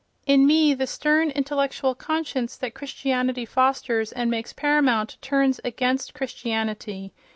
In me the stern intellectual conscience that Christianity fosters and makes paramount turns against Christianity.